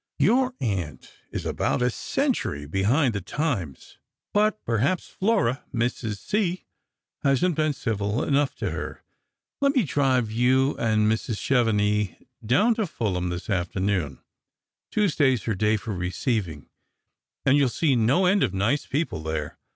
"You aunt is about a century behind the times; but per haps Flora — Mrs. C. — hasn't been civil enough to her. Let me drive you and Mrs. Chevenix down to Pulham this afternoon. Tuesday's her day for receiving, and you'll see no end of nice people there.